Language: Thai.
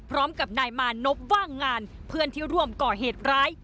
พร้อมกับนายมานพว่างงานเพื่อนที่ร่วมก่อเหตุร้าย